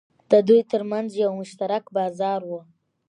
د دوی ترمنځ یو مشترک بازار و.